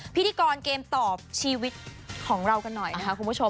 พิธีกรเกมต่อชีวิตของเรากันหน่อยนะคะคุณผู้ชม